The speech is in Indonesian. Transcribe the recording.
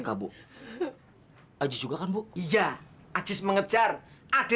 kamu itu laki laki apa bukan toh ardi